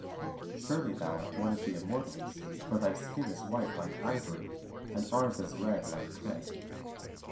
Surely thou art one of the Immortals; for thy skin is white like ivory, and ours is red like clay.